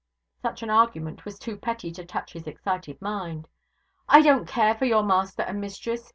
Such an argument was too petty to touch his excited mind. 'I don't care for your master and mistress.